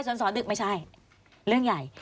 สอนดึกไม่ใช่เรื่องใหญ่